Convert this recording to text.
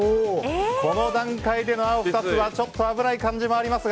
この段階での青２つはちょっと危ない感じもありますが。